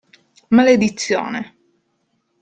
Maledizione!